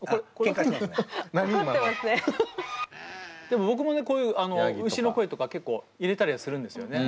でも僕もねこういう牛の声とか結構入れたりはするんですよね。